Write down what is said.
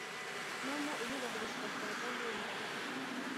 No mu iyubahirizwa rya gahunda